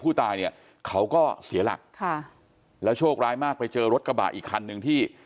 ผู้ตายเนี่ยเขาก็เสียหลักค่ะแล้วโชคร้ายมากไปเจอรถกระบะอีกคันหนึ่งที่